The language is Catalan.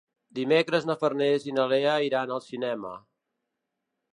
Dimecres na Farners i na Lea iran al cinema.